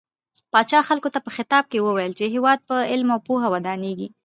پاچا خلکو ته په خطاب کې وويل چې هيواد په علم او پوهه ودانيږي .